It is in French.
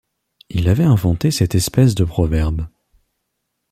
Il avait inventé cette espèce de proverbe.